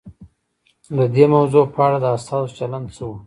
د دې موضوع په اړه د استازو چلند څه و؟